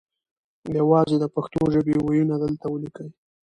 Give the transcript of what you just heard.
یوازې د پښتو ژبې وییونه دلته وليکئ